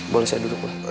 boleh saya duduk pak